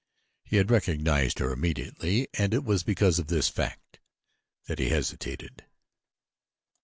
He had recognized her immediately and it was because of this fact that he hesitated.